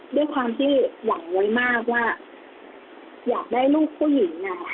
ด้วยความที่หวังไว้มากว่าอยากได้ลูกผู้หญิง